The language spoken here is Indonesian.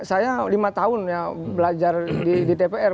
saya lima tahun belajar di tpr